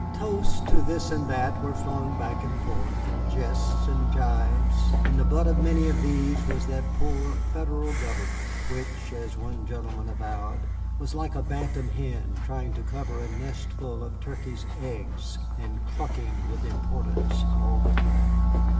Toasts to this and that were flung back and forth, and jests and gibes, and the butt of many of these was that poor Federal government which (as one gentleman avowed) was like a bantam hen trying to cover a nestful of turkey's eggs, and clucking with importance all the time.